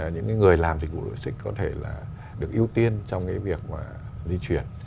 những cái người làm dịch vụ logistics có thể là được ưu tiên trong cái việc di chuyển